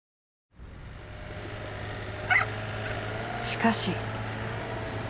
しかし。